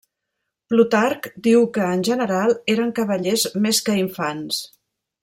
Plutarc diu que en general eren cavallers més que infants.